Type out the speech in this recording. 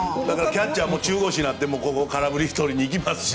キャッチャーも中腰になって空振りを取りにいきますし。